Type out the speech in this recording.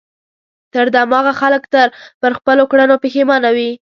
خر دماغه خلک تل پر خپلو کړنو پښېمانه وي.